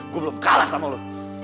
gue belum kalah sama lo